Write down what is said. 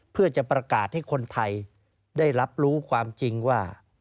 เพื่อจะประกาศให้คนไทยได้รับรู้ความจริงว่า